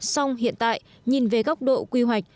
xong hiện tại nhìn về góc độ quy hoạch